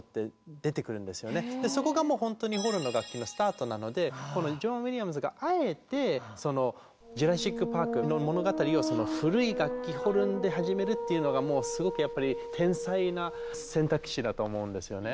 そこがもう本当にホルンの楽器のスタートなのでこのジョン・ウィリアムズがあえてその「ジュラシック・パーク」の物語をその古い楽器ホルンで始めるっていうのがもうすごくやっぱり天才な選択肢だと思うんですよね。